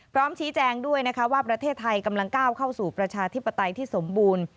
พร้อมชี้แจงด้วยนะคะว่าประเทศไทยกำลังก้าวเข้าสู่ประชาธิปไตยที่สมบูรณ์